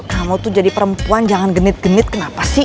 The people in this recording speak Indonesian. kamu tuh jadi perempuan jangan genit genit kenapa sih